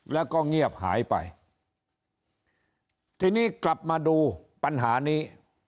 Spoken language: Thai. แล้วก็เงียบหายไปทีนี้กลับมาดูปัญหานี้